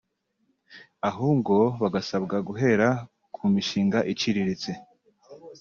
ahubwo bagasabwa guhera ku mishinga iciriritse